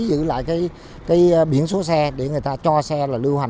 giữ lại cái biển số xe để người ta cho xe là lưu hành